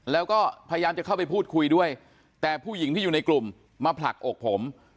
แล้วก็พยายามจะเข้าไปพูดคุยด้วยแต่ผู้หญิงที่อยู่ในกลุ่มมาผลักอกผม